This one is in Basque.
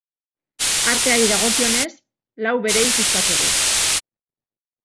Arteari dagokionez, lau bereiz ditzakegu.